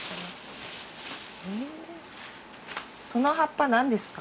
その葉っぱ何ですか？